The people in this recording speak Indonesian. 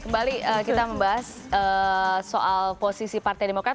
kembali kita membahas soal posisi partai demokrat